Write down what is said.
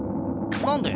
何で？